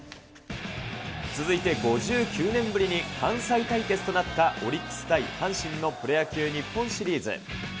続いて５９年ぶりに関西対決となったオリックス対阪神のプロ野球日本シリーズ。